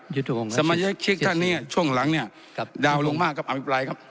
สมาชิกท่านเนี่ยช่วงหลังเนี่ยดาวลงมากครับอภิปรายครับ